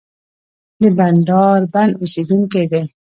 د بندرابن اوسېدونکی دی.